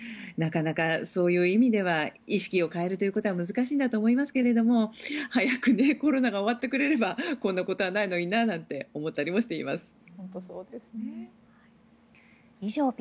なかなかそういう意味では意識を変えるということは難しいんだと思いますけれども早くコロナが終わってくれればこんなことはないのにななんて思ったりしています。